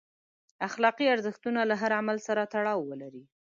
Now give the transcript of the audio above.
اخلاقي ارزښتونه له هر عمل سره تړاو ولري.